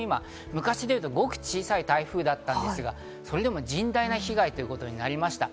昔でいうと、ごく小さい台風だったんですが、それでも甚大な被害となりました。